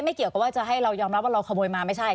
เกี่ยวกับว่าจะให้เรายอมรับว่าเราขโมยมาไม่ใช่